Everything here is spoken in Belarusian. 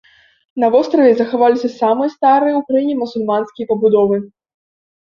На востраве захаваліся самыя старыя ў краіне мусульманскія пабудовы.